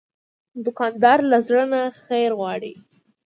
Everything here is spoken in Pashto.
دوکاندار له زړه نه خیر غواړي.